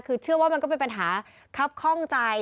คือเชื่อว่ามันก็เป็นปัญหาครับข้องใจ